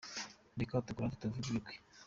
Reka tukurate tukuvuge ibigwi